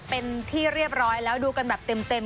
เป็นที่เรียบร้อยแล้วดูกันแบบเต็ม